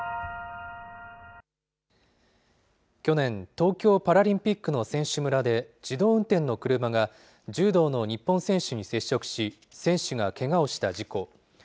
去年、東京パラリンピックの選手村で、自動運転の車が柔道の日本選手に接触し、選手がけがをした事故。